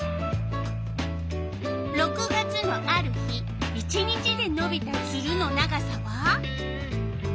６月のある日１日でのびたツルの長さは？